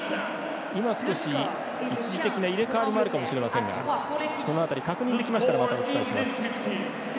今、少し一時的な入れ代わりもあるかもしれませんがその辺り、確認できましたらまたお伝えします。